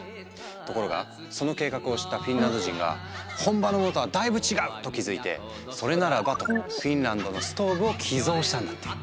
ところがその計画を知ったフィンランド人が「本場のものとはだいぶ違う」と気付いてそれならばとフィンランドのストーブを寄贈したんだって。